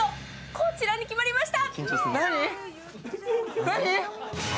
こちらに決まりました。